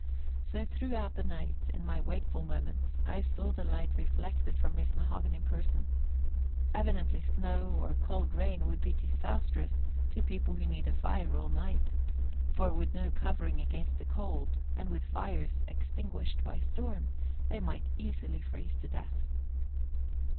So throughout the night, in my wakeful moments, I saw the light reflected from his mahogany person. Evidently snow or cold rain would be disastrous to people who need a fire all night; for, with no covering against the cold and with fires extinguished by storm, they might easily freeze to death.